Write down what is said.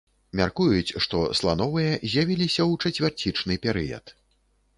Мяркуюць, што слановыя з'явіліся ў чацвярцічны перыяд.